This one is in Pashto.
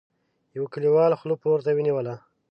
يوه کليوال خوله پورته ونيوله: